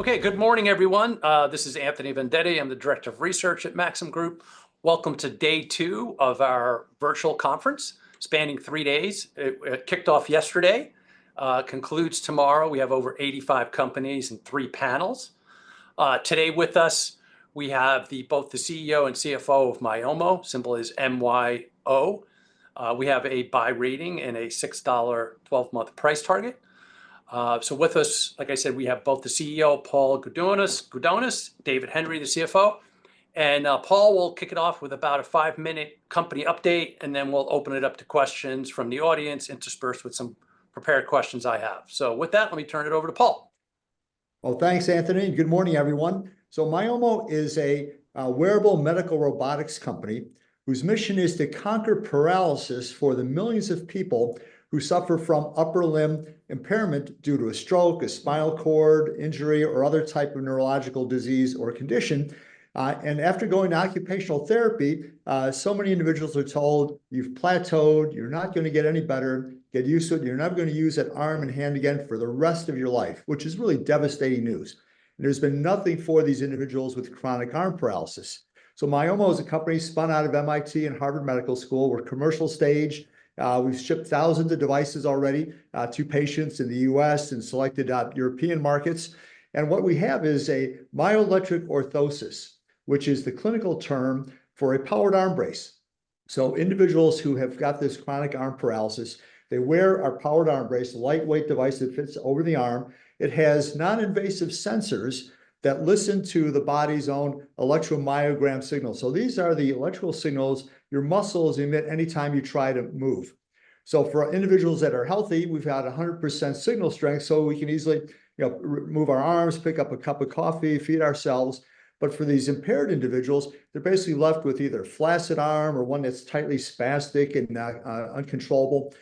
Okay, good morning, everyone. This is Anthony Vendetti. I'm the director of research at Maxim Group. Welcome to day two of our virtual conference, spanning three days. It kicked off yesterday, concludes tomorrow. We have over 85 companies and three panels. Today with us, we have both the CEO and CFO of Myomo. Symbol is MYO. We have a buy rating and a $6, 12-month price target. So with us, like I said, we have both the CEO, Paul Gudonis, David Henry, the CFO. And, Paul will kick it off with about a five-minute company update, and then we'll open it up to questions from the audience, interspersed with some prepared questions I have. So with that, let me turn it over to Paul. Thanks, Anthony, and good morning, everyone. Myomo is a wearable medical robotics company whose mission is to conquer paralysis for the millions of people who suffer from upper limb impairment due to a stroke, a spinal cord injury, or other type of neurological disease or condition. And after going to occupational therapy, so many individuals are told, "You've plateaued, you're not gonna get any better. Get used to it, you're not gonna use that arm and hand again for the rest of your life," which is really devastating news. There's been nothing for these individuals with chronic arm paralysis. Myomo is a company spun out of MIT and Harvard Medical School. We're commercial stage. We've shipped thousands of devices already to patients in the U.S. and selected European markets. What we have is a myoelectric orthosis, which is the clinical term for a powered arm brace. Individuals who have got this chronic arm paralysis, they wear our powered arm brace, a lightweight device that fits over the arm. It has non-invasive sensors that listen to the body's own electromyogram signal. These are the electrical signals your muscles emit any time you try to move. For individuals that are healthy, we've got 100% signal strength, so we can easily, you know, move our arms, pick up a cup of coffee, feed ourselves. For these impaired individuals, they're basically left with either a flaccid arm or one that's tightly spastic and uncontrollable,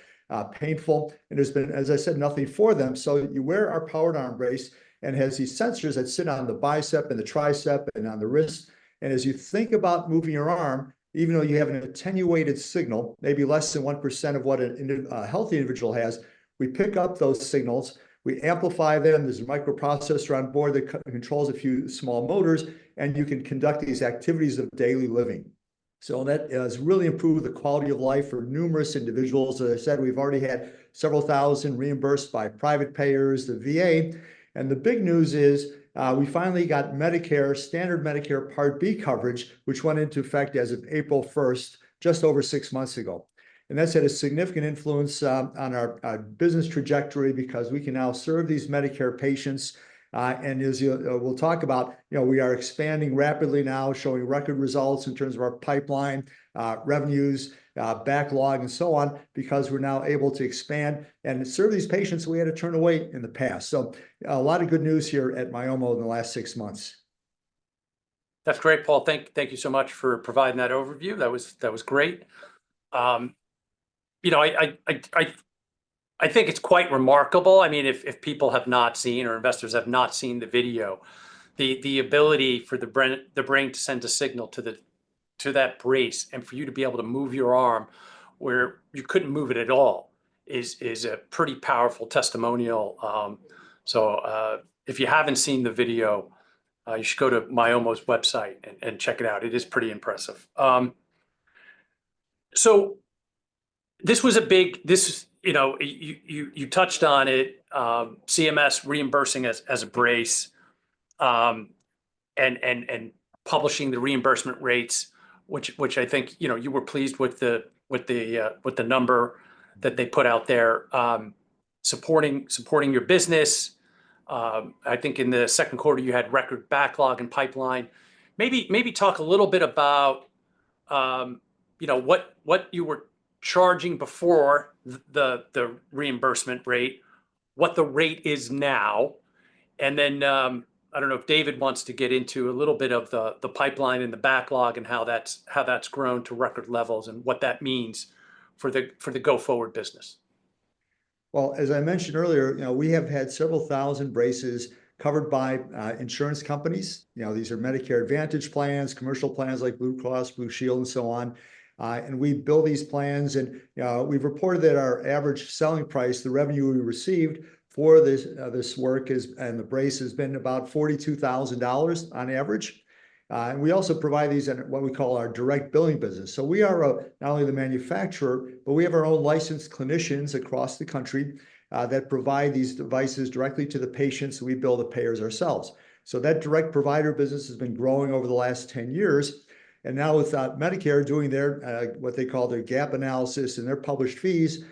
painful, and there's been, as I said, nothing for them. So you wear our powered arm brace, and it has these sensors that sit on the bicep and the tricep and on the wrist, and as you think about moving your arm, even though you have an attenuated signal, maybe less than 1% of what a healthy individual has, we pick up those signals, we amplify them. There's a microprocessor on board that controls a few small motors, and you can conduct these activities of daily living. So that has really improved the quality of life for numerous individuals. As I said, we've already had several thousand reimbursed by private payers, the VA, and the big news is, we finally got Medicare, standard Medicare Part B coverage, which went into effect as of April 1st, just over six months ago. And that's had a significant influence on our business trajectory, because we can now serve these Medicare patients, and as we'll talk about, you know, we are expanding rapidly now, showing record results in terms of our pipeline, revenues, backlog, and so on, because we're now able to expand and serve these patients we had to turn away in the past, so a lot of good news here at Myomo in the last six months. That's great, Paul. Thank you so much for providing that overview. That was great. You know, I think it's quite remarkable. I mean, if people have not seen or investors have not seen the video, the ability for the brain to send a signal to that brace, and for you to be able to move your arm where you couldn't move it at all, is a pretty powerful testimonial. So, if you haven't seen the video, you should go to Myomo's website and check it out. It is pretty impressive. So this was a big— This, you know, you touched on it, CMS reimbursing as a brace, and publishing the reimbursement rates, which I think, you know, you were pleased with the number that they put out there, supporting your business. I think in the second quarter, you had record backlog and pipeline. Maybe talk a little bit about, you know, what you were charging before the reimbursement rate, what the rate is now, and then, I don't know if David wants to get into a little bit of the pipeline and the backlog and how that's grown to record levels, and what that means for the go-forward business. Well, as I mentioned earlier, you know, we have had several thousand braces covered by insurance companies. You know, these are Medicare Advantage plans, commercial plans like Blue Cross Blue Shield, and so on. And we bill these plans, and we've reported that our average selling price, the revenue we received for this work is, and the brace, has been about $42,000 on average. And we also provide these in what we call our direct billing business. So we are not only the manufacturer, but we have our own licensed clinicians across the country that provide these devices directly to the patients, and we bill the payers ourselves. So that direct provider business has been growing over the last 10 years, and now with Medicare doing their what they call their gap analysis and their published fees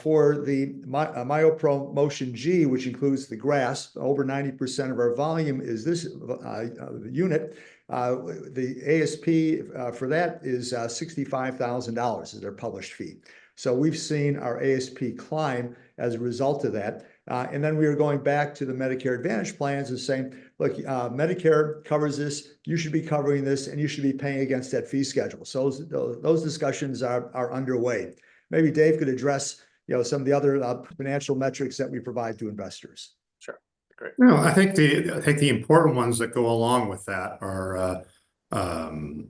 for the MyoPro Motion G, which includes the grasp, over 90% of our volume is this the unit the ASP for that is $65,000, is their published fee. So we've seen our ASP climb as a result of that. And then we are going back to the Medicare Advantage plans and saying, "Look, Medicare covers this. You should be covering this, and you should be paying against that fee schedule." So those discussions are underway. Maybe Dave could address, you know, some of the other financial metrics that we provide to investors. Sure. Great. Well, I think the important ones that go along with that are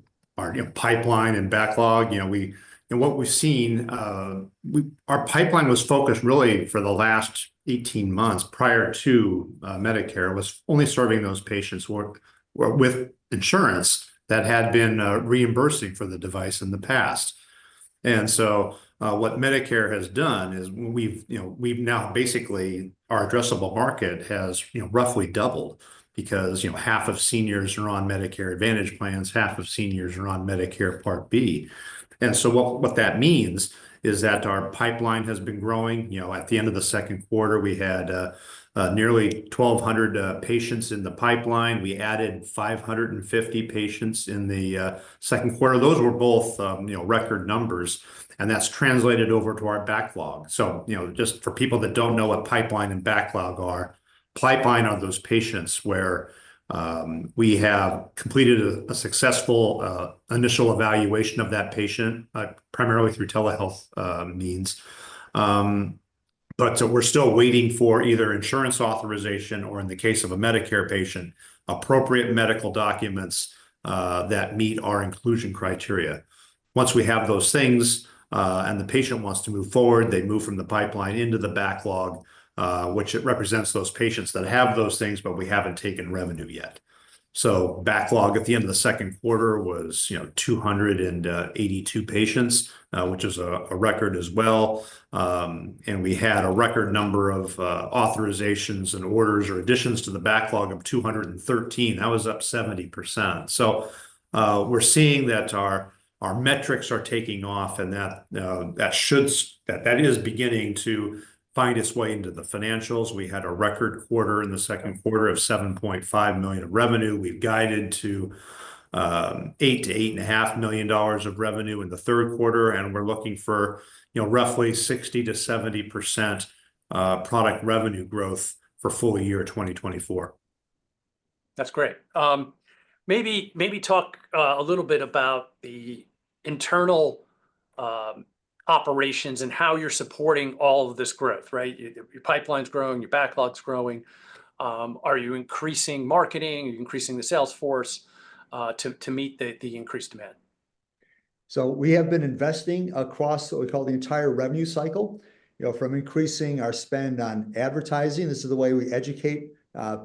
our, you know, pipeline and backlog, you know, and what we've seen, our pipeline was focused really for the last 18 months prior to Medicare, was only serving those patients who were with insurance that had been reimbursing for the device in the past. And so, what Medicare has done is we've, you know, we've now basically. Our addressable market has, you know, roughly doubled because, you know, half of seniors are on Medicare Advantage Plans, half of seniors are on Medicare Part B. And so what that means is that our pipeline has been growing. You know, at the end of the second quarter, we had nearly 1,200 patients in the pipeline. We added 550 patients in the second quarter. Those were both, you know, record numbers, and that's translated over to our backlog. So, you know, just for people that don't know what pipeline and backlog are, pipeline are those patients where we have completed a successful initial evaluation of that patient, primarily through telehealth means. But so we're still waiting for either insurance authorization or, in the case of a Medicare patient, appropriate medical documents that meet our inclusion criteria. Once we have those things, and the patient wants to move forward, they move from the pipeline into the backlog, which it represents those patients that have those things, but we haven't taken revenue yet. So, backlog at the end of the second quarter was, you know, 282 patients, which is a record as well. And we had a record number of authorizations and orders or additions to the backlog of 213 patients. That was up 70%. So, we're seeing that our metrics are taking off, and that should, that is beginning to find its way into the financials. We had a record quarter in the second quarter of $7.5 million of revenue. We've guided to $8 million-$8.5 million of revenue in the third quarter, and we're looking for, you know, roughly 60%-70% product revenue growth for full year 2024. That's great. Maybe talk a little bit about the internal operations and how you're supporting all of this growth, right? Your pipeline's growing, your backlog's growing. Are you increasing marketing, are you increasing the sales force to meet the increased demand? So we have been investing across what we call the entire revenue cycle. You know, from increasing our spend on advertising, this is the way we educate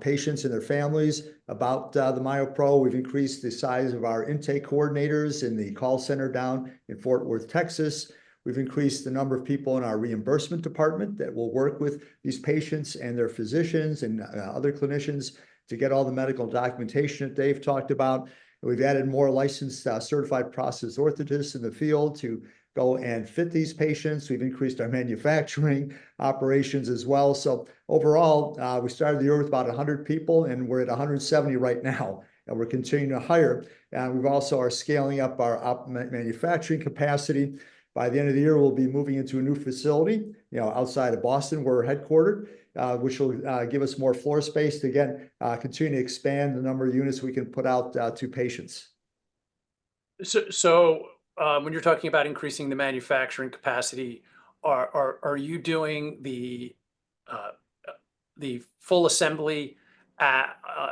patients and their families about the MyoPro. We've increased the size of our intake coordinators in the call center down in Fort Worth, Texas. We've increased the number of people in our reimbursement department that will work with these patients and their physicians and other clinicians to get all the medical documentation that Dave talked about, and we've added more licensed, certified prosthetist orthotists in the field to go and fit these patients. We've increased our manufacturing operations as well. So overall, we started the year with about 100 people, and we're at 170 people right now, and we're continuing to hire. And we've also are scaling up our manufacturing capacity. By the end of the year, we'll be moving into a new facility, you know, outside of Boston, we're headquartered, which will give us more floor space to again continue to expand the number of units we can put out to patients. When you're talking about increasing the manufacturing capacity, are you doing the full assembly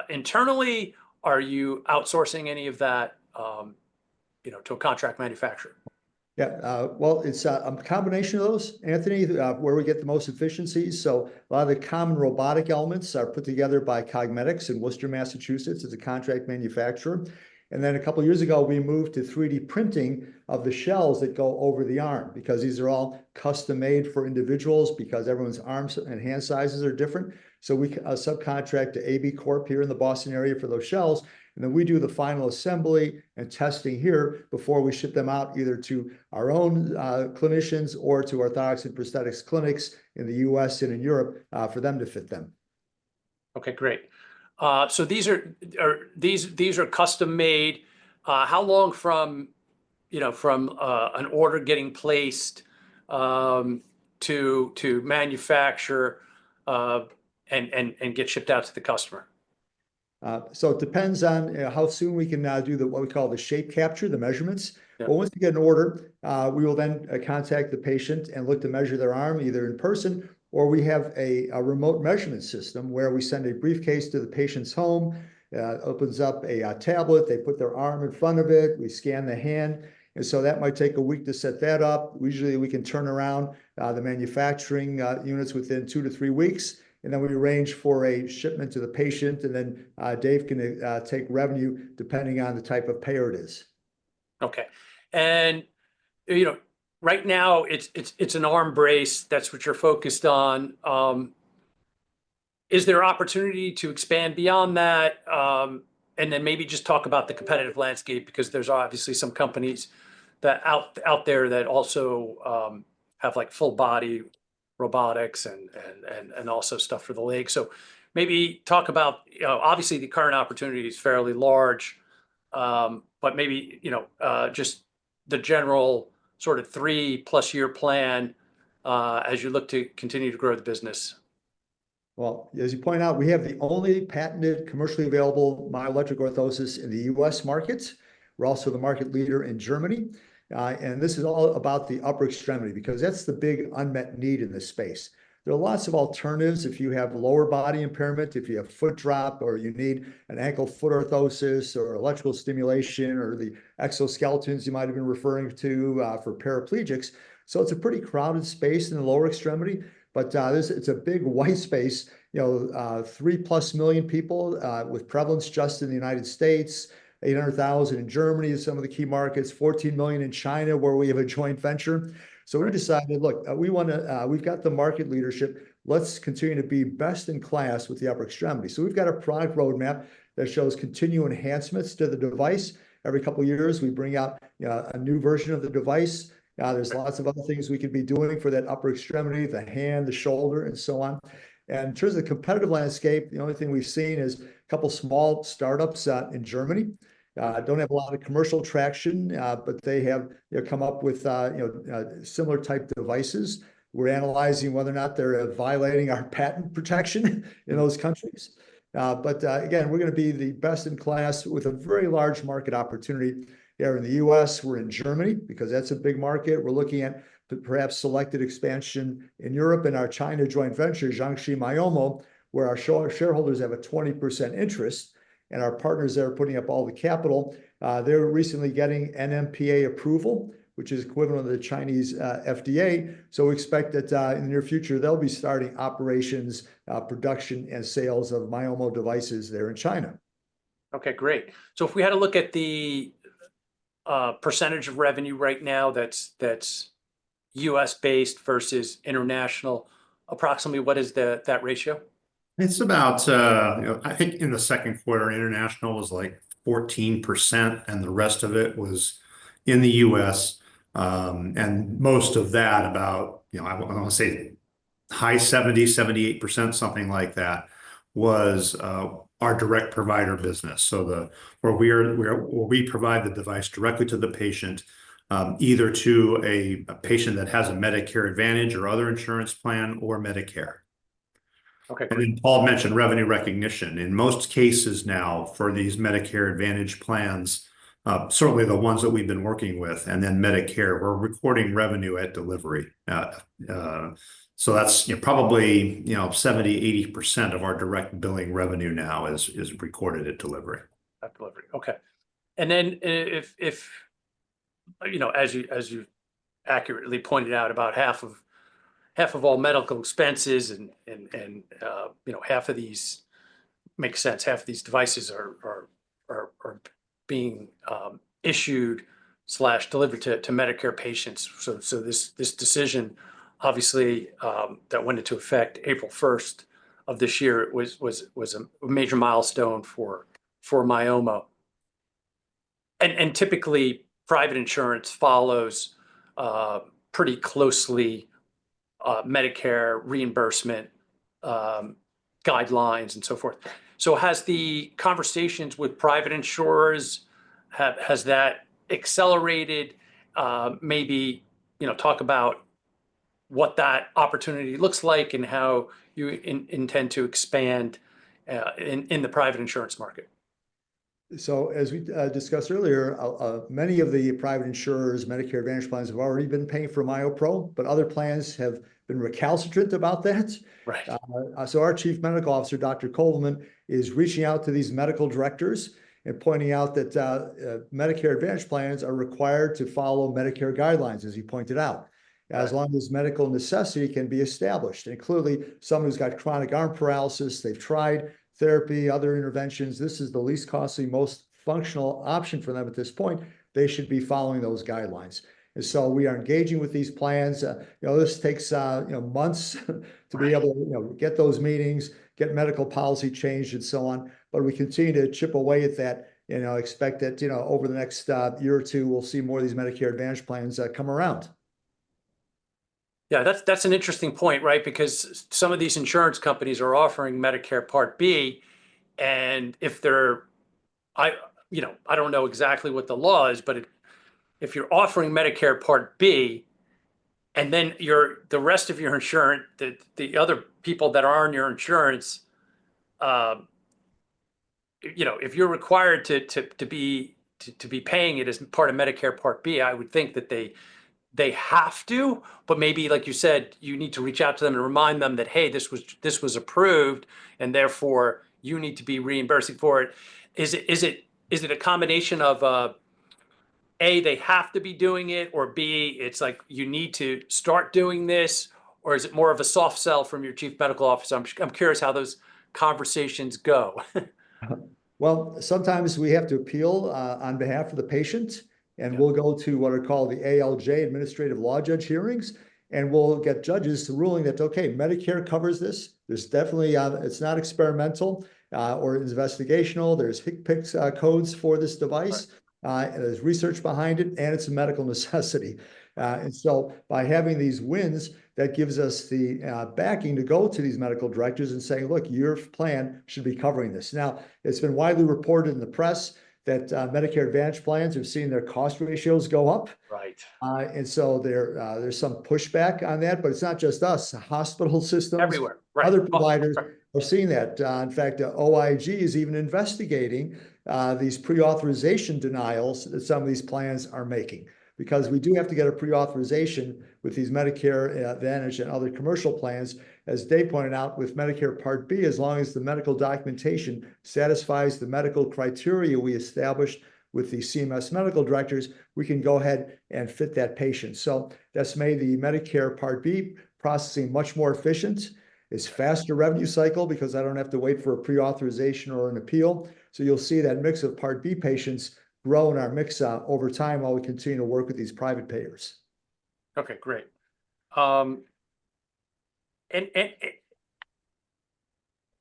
internally? Are you outsourcing any of that, you know, to a contract manufacturer? Yeah, well, it's a combination of those, Anthony, where we get the most efficiencies. So a lot of the common robotic elements are put together by Cogmedix in Worcester, Massachusetts, as a contract manufacturer. And then a couple of years ago, we moved to 3D printing of the shells that go over the arm, because these are all custom-made for individuals, because everyone's arms and hand sizes are different. So we subcontract to ABCorp here in the Boston area for those shells, and then we do the final assembly and testing here before we ship them out, either to our own clinicians or to orthotics and prosthetics clinics in the US and in Europe for them to fit them. Okay, great. So, are these custom-made? How long, you know, from an order getting placed to manufacture and get shipped out to the customer? So it depends on how soon we can do what we call the shape capture, the measurements. Yeah. But once we get an order, we will then contact the patient and look to measure their arm, either in person, or we have a remote measurement system where we send a briefcase to the patient's home, opens up a tablet, they put their arm in front of it, we scan the hand. And so that might take a week to set that up. Usually, we can turn around the manufacturing units within two to three weeks, and then we arrange for a shipment to the patient, and then Dave can take revenue depending on the type of payer it is. Okay. And, you know, right now, it's an arm brace. That's what you're focused on. Is there opportunity to expand beyond that? And then maybe just talk about the competitive landscape, because there's obviously some companies out there that also have, like, full-body robotics and also stuff for the leg. So maybe talk about—Obviously, the current opportunity is fairly large, but maybe, you know, just the general sort of three-plus-year plan, as you look to continue to grow the business. As you point out, we have the only patented, commercially available myoelectric orthosis in the U.S. market. We're also the market leader in Germany. And this is all about the upper extremity, because that's the big unmet need in this space. There are lots of alternatives if you have lower body impairment, if you have foot drop, or you need an ankle-foot orthosis, or electrical stimulation, or the exoskeletons you might have been referring to, for paraplegics. So it's a pretty crowded space in the lower extremity, but it's a big white space. You know, 3 million+ people with prevalence just in the United States, 800,000 people in Germany and some of the key markets, 14 million people in China, where we have a joint venture. So we decided, "Look, we wanna— We've got the market leadership, let's continue to be best-in-class with the upper extremity." So we've got a product roadmap that shows continued enhancements to the device. Every couple of years, we bring out a new version of the device. There's lots of other things we could be doing for that upper extremity, the hand, the shoulder, and so on. And in terms of the competitive landscape, the only thing we've seen is a couple of small startups in Germany. Don't have a lot of commercial traction, but they have, you know, come up with, you know, similar type devices. We're analyzing whether or not they're violating our patent protection in those countries. But, again, we're gonna be the best-in-class with a very large market opportunity here in the U.S. We're in Germany, because that's a big market. We're looking at the perhaps selected expansion in Europe and our China joint venture, Jiangxi Myomo, where our shareholders have a 20% interest, and our partners there are putting up all the capital. They're recently getting NMPA approval, which is equivalent to the Chinese FDA, so we expect that, in the near future, they'll be starting operations, production, and sales of Myomo devices there in China. Okay, great. So if we had a look at the percentage of revenue right now that's U.S.-based versus international, approximately what is that ratio? It's about. You know, I think in the second quarter, international was, like, 14%, and the rest of it was in the U.S. And most of that, about, you know, I wanna say high 70, 78%, something like that, was our direct provider business. So the where we are, where we provide the device directly to the patient, either to a patient that has a Medicare Advantage or other insurance plan, or Medicare. Okay, great. And then Paul mentioned revenue recognition. In most cases now, for these Medicare Advantage plans, certainly the ones that we've been working with, and then Medicare, we're recording revenue at delivery. So that's, you know, probably, you know, 70%-80% of our direct billing revenue now is recorded at delivery. At delivery, okay. And then if, you know, as you accurately pointed out, about half of all medical expenses and half of these devices are being issued slash delivered to Medicare patients. So this decision, obviously, that went into effect April 1st of this year was a major milestone for Myomo. And typically, private insurance follows pretty closely Medicare reimbursement guidelines, and so forth. So have the conversations with private insurers accelerated? Maybe, you know, talk about what that opportunity looks like, and how you intend to expand in the private insurance market. So as we discussed earlier, many of the private insurers, Medicare Advantage plans, have already been paying for MyoPro, but other plans have been recalcitrant about that. Right. So our Chief Medical Officer, Dr. Coleman, is reaching out to these medical directors and pointing out that, Medicare Advantage plans are required to follow Medicare guidelines, as he pointed out. Right As long as medical necessity can be established. And clearly, someone who's got chronic arm paralysis, they've tried therapy, other interventions, this is the least costly, most functional option for them at this point, they should be following those guidelines. And so we are engaging with these plans. You know, this takes, you know, months to be able, you know, get those meetings, get medical policy changed, and so on. But we continue to chip away at that, and I expect that, you know, over the next, year or two, we'll see more of these Medicare Advantage plans, come around. Yeah, that's, that's an interesting point, right? Because some of these insurance companies are offering Medicare Part B, and if they're—I, you know, I don't know exactly what the law is, but if you're offering Medicare Part B, and then your, the rest of your insurance, the other people that are on your insurance, you know, if you're required to be paying it as part of Medicare Part B, I would think that they have to. But maybe like you said, you need to reach out to them and remind them that, "Hey, this was, this was approved, and therefore, you need to be reimbursing for it." Is it a combination of, A, they have to be doing it, or B, it's like you need to start doing this, or is it more of a soft sell from your Chief Medical Officer? I'm curious how those conversations go. Well, sometimes we have to appeal on behalf of the patient, and we'll go to what are called the ALJ, Administrative Law Judge hearings, and we'll get judges to ruling that, "Okay, Medicare covers this. There's definitely. It's not experimental or investigational. There's HCPCS codes for this device, there's research behind it, and it's a medical necessity," and so by having these wins, that gives us the backing to go to these medical directors and say, "Look, your plan should be covering this." Now, it's been widely reported in the press that Medicare Advantage plans are seeing their cost ratios go up, and so there, there's some pushback on that, but it's not just us. Hospital systems- Everywhere, right. Other providers, we've seen that. In fact, OIG is even investigating these pre-authorization denials that some of these plans are making. Because we do have to get a pre-authorization with these Medicare Advantage and other commercial plans. As Dave pointed out, with Medicare Part B, as long as the medical documentation satisfies the medical criteria we established with the CMS medical directors, we can go ahead and fit that patient. So that's made the Medicare Part B processing much more efficient. It's faster revenue cycle, because I don't have to wait for a pre-authorization or an appeal. So you'll see that mix of Part B patients grow in our mix over time while we continue to work with these private payers. Okay, great.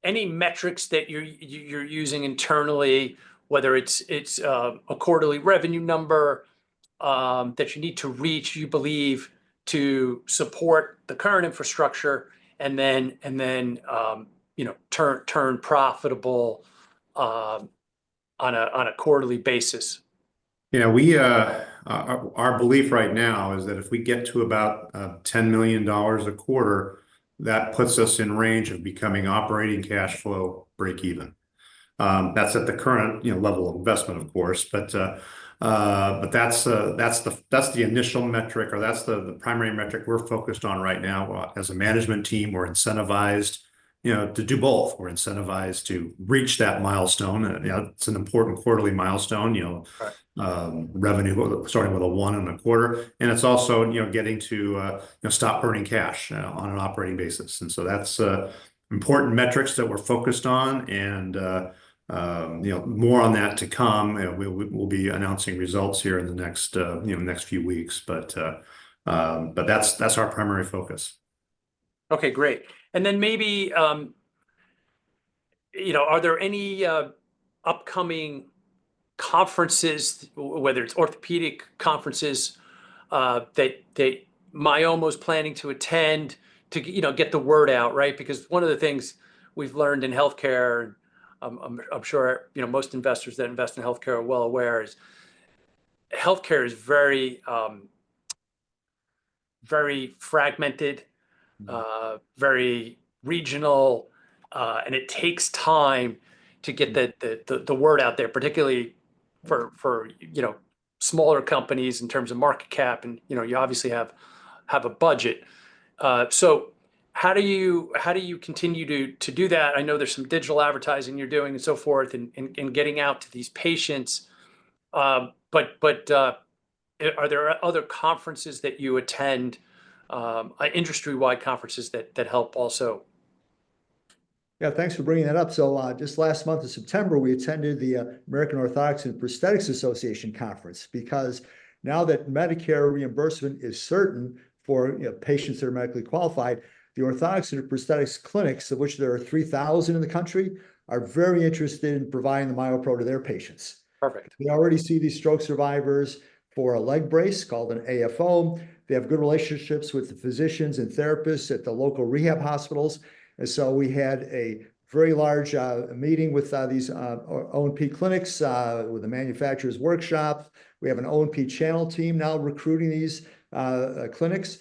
Any metrics that you're using internally, whether it's a quarterly revenue number that you need to reach, you believe, to support the current infrastructure, and then you know turn profitable on a quarterly basis? Yeah, our belief right now is that if we get to about $10 million a quarter, that puts us in range of becoming operating cashflow breakeven. That's at the current, you know, level of investment, of course. But that's the initial metric, or that's the primary metric we're focused on right now. As a management team, we're incentivized, you know, to do both. We're incentivized to reach that milestone, and, you know, it's an important quarterly milestone, you know. Right... revenue starting with $1.25 million. And it's also, you know, getting to, you know, stop burning cash on an operating basis, and so that's important metrics that we're focused on. And, you know, more on that to come. We'll be announcing results here in the next few weeks, but that's our primary focus. Okay, great. And then maybe, you know, are there any upcoming conferences, whether it's orthopedic conferences, that Myomo's planning to attend to get you know, get the word out, right? Because one of the things we've learned in healthcare, I'm sure, you know, most investors that invest in healthcare are well aware, is healthcare is very, very fragmented, very regional, and it takes time to get the word out there, particularly for you know smaller companies in terms of market cap, and you know you obviously have a budget. So how do you continue to do that? I know there's some digital advertising you're doing and so forth in getting out to these patients, but are there other conferences that you attend, industry-wide conferences that help also? Yeah, thanks for bringing that up. So, just last month in September, we attended the American Orthotic and Prosthetic Association Conference, because now that Medicare reimbursement is certain for, you know, patients that are medically qualified, the orthotics and prosthetics clinics, of which there are 3,000 in the country, are very interested in providing the MyoPro to their patients. Perfect. We already see these stroke survivors for a leg brace called an AFO. They have good relationships with the physicians and therapists at the local rehab hospitals. And so we had a very large meeting with these O&P clinics with a manufacturer's workshop. We have an O&P channel team now recruiting these clinics.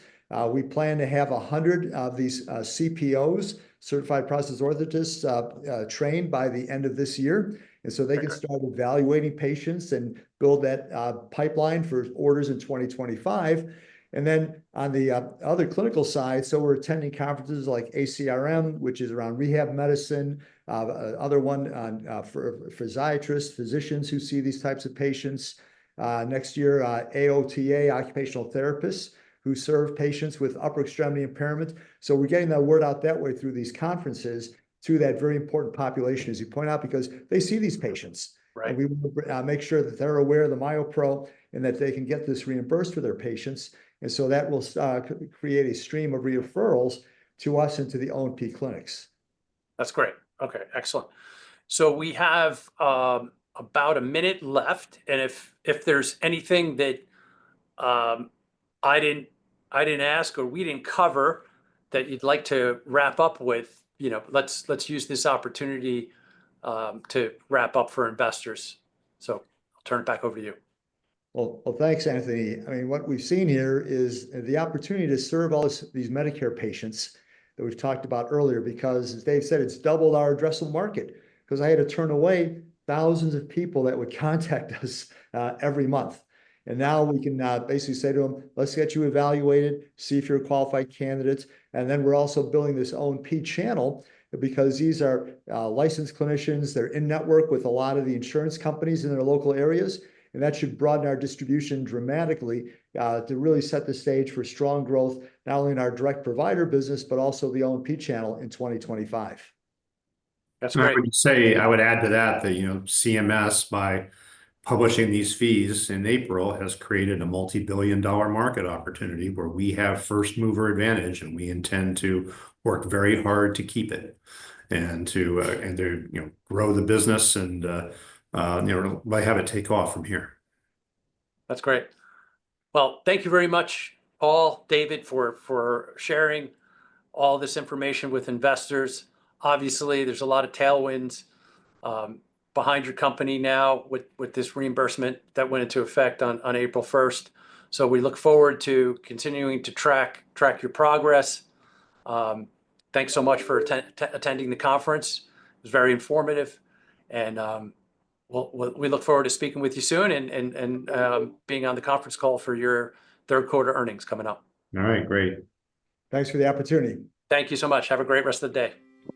We plan to have 100 of these CPOs, Certified Prosthetist Orthotists, trained by the end of this year, and so they can start evaluating patients and build that pipeline for orders in 2025. And then on the other clinical side, so we're attending conferences like ACRM, which is around rehab medicine, other one for physiatrists, physicians who see these types of patients. Next year AOTA, occupational therapists who serve patients with upper extremity impairment. So we're getting that word out that way through these conferences to that very important population, as you point out, because they see these patients. Right. We make sure that they're aware of the MyoPro and that they can get this reimbursed for their patients, and so that will create a stream of referrals to us and to the O&P clinics. That's great. Okay, excellent. So we have about a minute left, and if there's anything that I didn't ask or we didn't cover that you'd like to wrap up with, you know, let's use this opportunity to wrap up for investors. So I'll turn it back over to you. Well, thanks, Anthony. I mean, what we've seen here is the opportunity to serve all these Medicare patients that we've talked about earlier. Because, as Dave said, it's doubled our addressable market. 'Cause I had to turn away thousands of people that would contact us every month, and now we can basically say to them, "Let's get you evaluated, see if you're a qualified candidate." And then we're also building this O&P channel, because these are licensed clinicians. They're in-network with a lot of the insurance companies in their local areas, and that should broaden our distribution dramatically to really set the stage for strong growth, not only in our direct provider business, but also the O&P channel in 2025. That's great. I would say, I would add to that, that, you know, CMS, by publishing these fees in April, has created a multi-billion dollar market opportunity where we have first-mover advantage, and we intend to work very hard to keep it, and to, and to, you know, grow the business and, you know, by having it take off from here. That's great. Well, thank you very much, Paul, David, for sharing all this information with investors. Obviously, there's a lot of tailwinds behind your company now with this reimbursement that went into effect on April 1st. So we look forward to continuing to track your progress. Thanks so much for attending the conference. It was very informative, and well, we look forward to speaking with you soon and being on the conference call for your third quarter earnings coming up. All right, great. Thanks for the opportunity. Thank you so much. Have a great rest of the day.